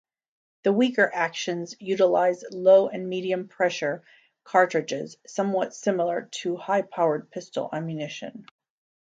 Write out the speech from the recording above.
The weaker actions utilize low- and medium-pressure cartridges, somewhat similar to high-powered pistol ammunition.